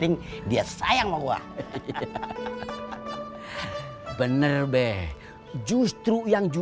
andrew era najak pasang perempuan lu